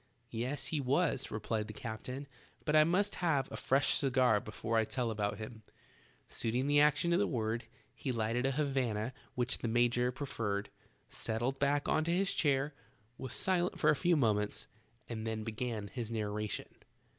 "Yes, he was," replied the captain, "but I must have a fresh cigar before I tell about him." Suit ing the action to the word, he lighted a Havana which the major proffered, settled back into his chair, was silent for a few moments, and then began his narration.